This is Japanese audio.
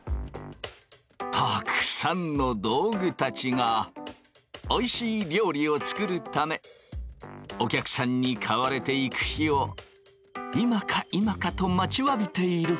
たくさんの道具たちがおいしい料理を作るためお客さんに買われていく日を今か今かと待ちわびている。